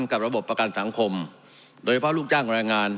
กับระบบประกันสังคมโดยเฉพาะลูกจ้างแรงงาน